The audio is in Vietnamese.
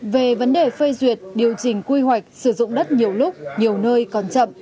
về vấn đề phê duyệt điều chỉnh quy hoạch sử dụng đất nhiều lúc nhiều nơi còn chậm